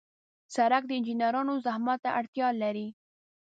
سړک د انجنیرانو زحمت ته اړتیا لري.